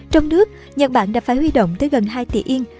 trong nước nhật bản đã phải huy động tới gần hai tỷ yên